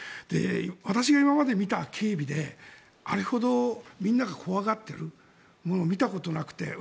私が今まで見た警備であれほどみんなが怖がってるものを見たことがなくて。